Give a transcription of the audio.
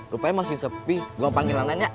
rupanya masih sepi gue panggil ananya